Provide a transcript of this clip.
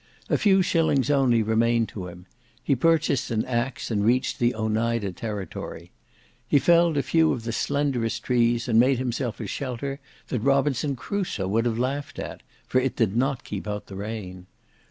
A few shillings only remained to him; he purchased an axe, and reached the Oneida territory. He felled a few of the slenderest trees, and made himself a shelter that Robinson Crusoe would have laughed at, for it did not keep out the rain.